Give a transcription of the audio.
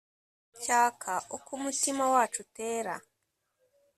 cyaka uko umutima wacu utera;